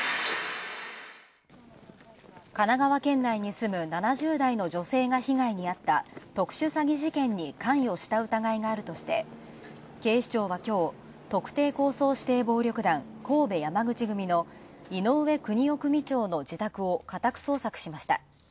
神奈川県内に住む７０代の女性が被害にあった特殊詐欺事件に関与した疑いがあるとして警視庁はきょう特定抗争指定暴力団、神戸山口組の井上邦雄組長の自宅を家宅捜索しました。